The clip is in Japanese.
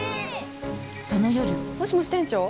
その夜もしもし店長？